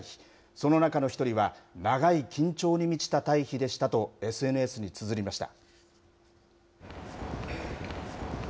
その中の一人は、長い緊張に満ちた退避でしたと、ＳＮＳにつづりました。